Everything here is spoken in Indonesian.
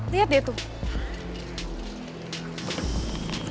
liat dia tuh